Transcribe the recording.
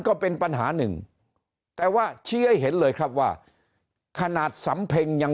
ก็เป็นปัญหาหนึ่งแต่ว่าชี้ให้เห็นเลยครับว่าขนาดสำเพ็งยัง